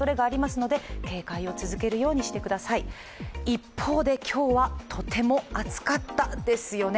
一方で今日はとても暑かったですよね。